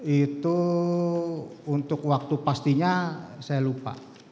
itu untuk waktu pastinya saya lupa